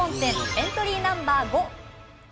エントリーナンバー５。